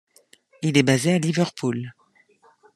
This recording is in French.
Il est basé à Liverpool.